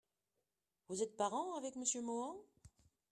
Vous êtes parent avec M. Mohan ?